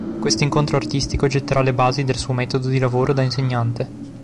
Questo incontro artistico getterà le basi del suo metodo di lavoro da insegnante.